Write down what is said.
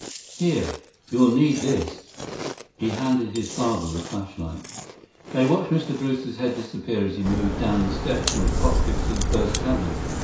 94 "Here, you'll need this." He handed his father the flashlight. They watched Mr. Brewster's head disappear as he moved down the steps from the cockpit to the first cabin.